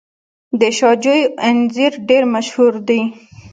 د شاه جوی انځر ډیر مشهور دي.